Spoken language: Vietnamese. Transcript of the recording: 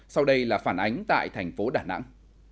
sau đây là phản ánh tại thành phố đà nẵng